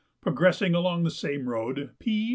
Progressing along the same road, P.